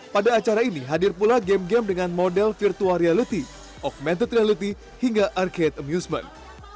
pada acara ini hadir pula game game dengan model virtual reality augmented reality hingga arcade amusement